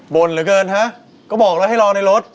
เหลือเกินฮะก็บอกแล้วให้รอในรถ